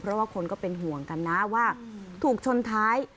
เพราะว่าคนก็เป็นห่วงกันนะว่าถูกชนท้าย